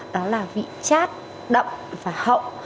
đó là vị chát đậm và hậu